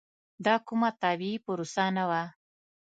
دا کومه طبیعي پروسه نه وه.